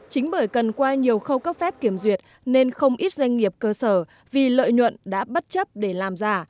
chính bởi cần qua nhiều khâu cấp phép kiểm duyệt nên không ít doanh nghiệp cơ sở vì lợi nhuận đã bất chấp để làm giả